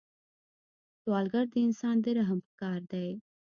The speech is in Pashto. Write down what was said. سوالګر د انسان د رحم ښکار دی